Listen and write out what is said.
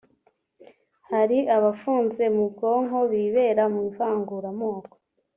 hari abafunze mu bwonko bibera mu ivanguramoko